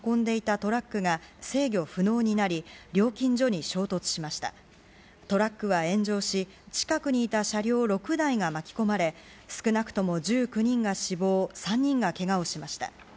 トラックは炎上し近くにいた車両６台が巻き込まれ少なくとも１９人が死亡３人がけがをしました。